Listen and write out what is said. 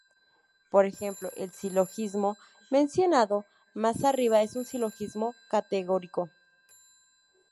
Por ejemplo, el silogismo mencionado más arriba es un silogismo categórico.